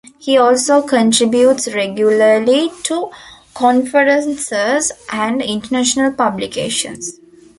He also contributes regularly to conferences and international publications.